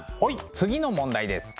次の問題です。